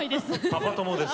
パパ友です。